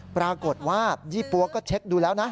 ปรากฏว่ายี่ปั๊วก็เช็คดูแล้วนะ